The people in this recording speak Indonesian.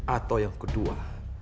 atau yang kedua